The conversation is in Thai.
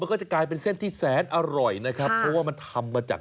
โอ้ยฟินมาก